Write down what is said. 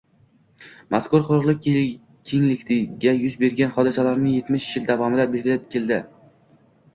mazkur quruqlik kengligida yuz bergan hodisalarni yetmish yil davomida belgilab keldi.